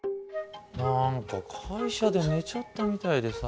何か会社で寝ちゃったみたいでさ。